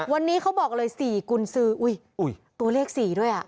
วันนี้เขาบอกเลย๔กุญสืออุ้ยตัวเลข๔ด้วยอ่ะ